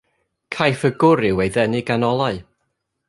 Caiff y gwryw ei ddenu gan olau.